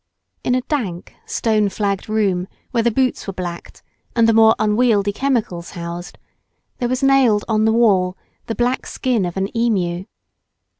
In a dank stone flagged room where the boots were blacked, and the more unwieldy chemicals housed, there was nailed on the wall the black skin of an emu.